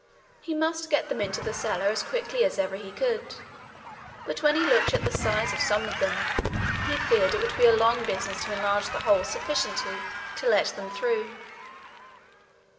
He must get them into the cellar as quickly as ever he could. But when he looked at the size of some of them, he feared it would be a long business to enlarge the hole sufficiently to let them through.